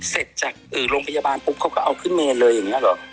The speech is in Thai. เสร็จจากโรงพยาบาลปุ๊บเขาก็เอาขึ้นเมนเลยอย่างนี้เหรอ